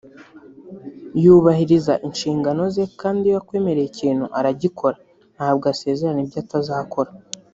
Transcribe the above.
yubahiriza inshingano ze kandi iyo akwemereye ikintu aragikora ntabwo asezerana ibyo atazakora